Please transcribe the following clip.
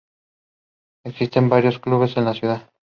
Existen varios clubes en la ciudad.